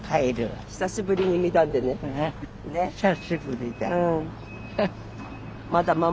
久しぶりだ。え？